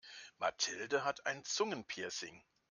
Mathilde hat ein Zungenpiercing.